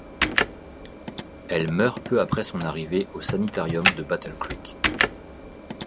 Elle meurt peu après son arrivée au Sanitarium de Battle Creek.